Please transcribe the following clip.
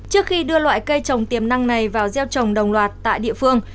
trước khi đưa loại cây trồng tiềm năng này vào gieo trồng đồng loạt tại địa phương